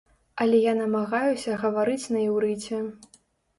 Але я намагаюся гаварыць на іўрыце.